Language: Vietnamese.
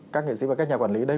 các nghệ sĩ và các nhà quản lý